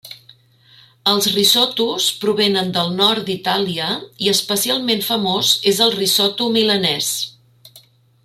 Els risottos provenen del nord d'Itàlia i especialment famós és el risotto milanès.